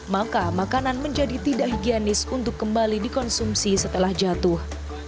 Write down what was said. maka makanan menjadi tidak higienis untuk kembali dikonsumsi setelah jatuh